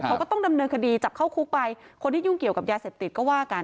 เขาก็ต้องดำเนินคดีจับเข้าคุกไปคนที่ยุ่งเกี่ยวกับยาเสพติดก็ว่ากัน